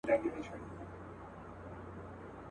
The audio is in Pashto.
خو دلته په دې مانا دی